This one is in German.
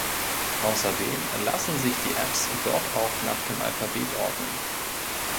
Außerdem lassen sich die Apps dort auch nach dem Alphabet ordnen.